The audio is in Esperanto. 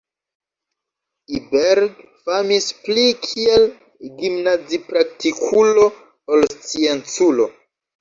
Ilberg famis pli kiel gimnazipraktikulo ol scienculo.